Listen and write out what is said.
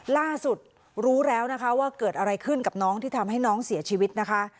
ล่าสุดรู้แล้วนะคะว่าเกิดอะไรขึ้นกับน้องที่ทำให้น้องเสียชีวิตนะคะ